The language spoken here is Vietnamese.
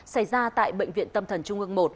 xảy ra tại bệnh viện tâm thần trung ương một